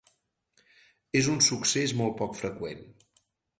És un succés molt poc freqüent.